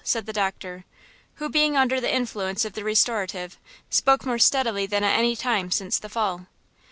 said the doctor, who, being under the influence of the restorative, spoke more steadily than at any time since the fall.